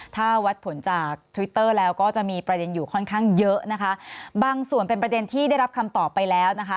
ถ้าวัดผลจากทวิตเตอร์แล้วก็จะมีประเด็นอยู่ค่อนข้างเยอะนะคะบางส่วนเป็นประเด็นที่ได้รับคำตอบไปแล้วนะคะ